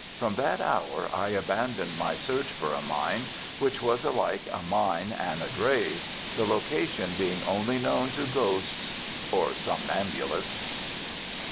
From that hour I abandoned my search for a mine, which was alike a mine and a grave, the location being only known to ghosts or somnambulists.